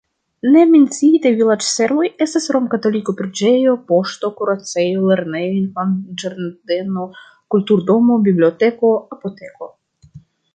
Ne menciitaj vilaĝservoj estas romkatolika preĝejo, poŝto, kuracejo, lernejo, infanĝardeno, kulturdomo, biblioteko, apoteko.